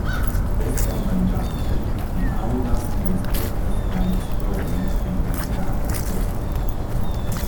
Vespermanĝante, mi aŭdas kaj spektas la eksplodojn en la iraka ĉefurbo.